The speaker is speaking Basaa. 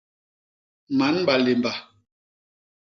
Man balémba.